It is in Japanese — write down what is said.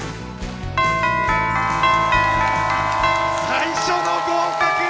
最初の合格！